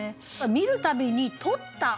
「見る度に撮った」。